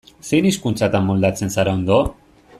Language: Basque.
Zein hizkuntzatan moldatzen zara ondo?